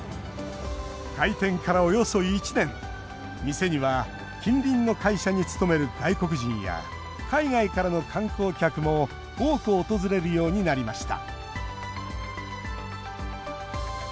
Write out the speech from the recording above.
店には近隣の会社に勤める外国人や海外からの観光客も多く訪れるようになりました。